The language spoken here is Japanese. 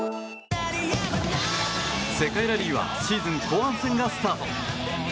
世界ラリーはシーズン後半戦がスタート。